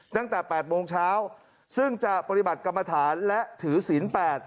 ตั้งแต่๘โมงเช้าซึ่งจะปฏิบัติกรรมฐานและถือศีลแปด